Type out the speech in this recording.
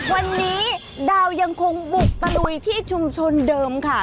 วันนี้ดาวยังคงบุกตะลุยที่ชุมชนเดิมค่ะ